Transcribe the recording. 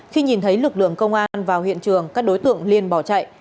khi nhìn thấy lực lượng công an vào hiện trường các đối tượng liên bỏ chạy